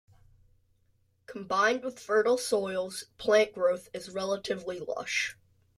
Combined with fertile soils, plant growth is relatively lush.